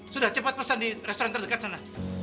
sudah cepat pesan di restoran terdekat sana